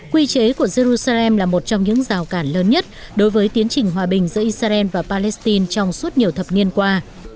quy chế của jerusalem là một trong những rào cản lớn nhất đối với tiến trình hòa bình giữa israel và palestine trong suốt nhiều thập niên qua